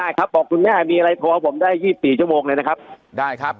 ครับบอกคุณแม่มีอะไรโทรผมได้ยี่สิบสี่ชั่วโมงเลยนะครับได้ครับ